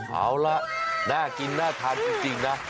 เอาล่ะน่ากินน่าทานจริงนะ